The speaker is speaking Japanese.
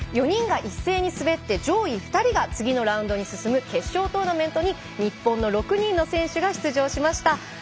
４人が一斉に滑って上位２人が次のラウンドに進む決勝トーナメントに日本の６人の選手が出場しました。